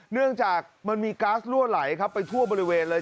เนื่องจากมันมีก๊าซรั่วไหลครับไปทั่วบริเวณเลย